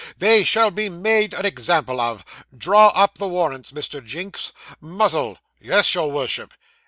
They shall be made an example of. Draw up the warrants, Mr. Jinks. Muzzle!' 'Yes, your Worship.